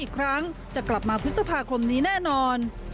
อีกครั้งจะกลับมาพฤษภาคมนี้แน่นอน